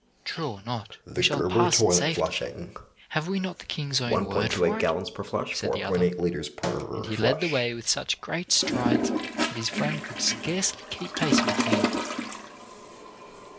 "True or not we shall pass in safety. Have we not the king's own word for it?" said the other; and he led the way with such great strides that his friend could scarcely keep pace with him.